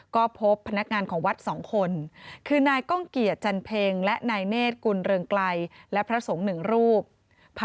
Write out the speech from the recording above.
ก็พบพนักงานของวัด๒คนคือนายก้องเกียจจันเพ็งและนายเนธกุลเรืองไกลและพระสงฆ์หนึ่งรูป